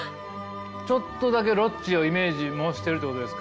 ちょっとだけロッチをイメージもしてるってことですか？